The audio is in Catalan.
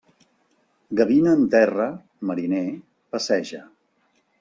Gavina en terra, mariner, passeja.